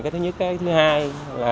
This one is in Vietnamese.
thứ nhất thứ hai